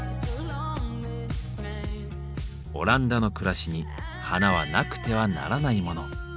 オランダの暮らしに花はなくてはならないモノ。